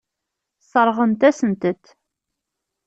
Sseṛɣent-asent-tent.